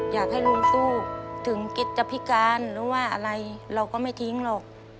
อยากให้ลุงสู้ถึงกิจพิการหรือว่าอะไรเราก็ไม่ทิ้งหรอก